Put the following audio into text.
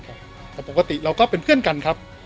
แต่ปกติเราก็เป็นเพื่อนกันครับ